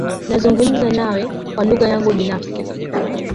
Nazungumza nawe kwa lugha yangu binafsi.